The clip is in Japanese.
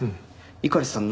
猪狩さん